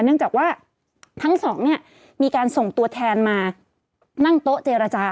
เนื่องจากว่าทั้งสองเนี่ยมีการส่งตัวแทนมานั่งโต๊ะเจรจา